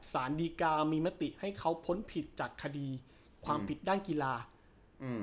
สารดีกามีมติให้เขาพ้นผิดจากคดีความผิดด้านกีฬาอืม